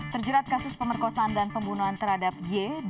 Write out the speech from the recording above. terjerat kasus pemerkosaan dan pembunuhan terhadap y